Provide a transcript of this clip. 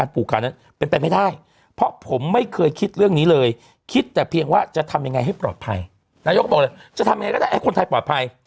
นายกก็บอกเลยจะทำยังไงก็ได้ให้คนไทยปลอดภัย